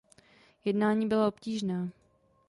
Jednání byla obtížná.